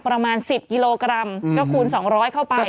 ประมาณ๑๐กิโลกรัมก็คูณ๒๐๐เข้าไป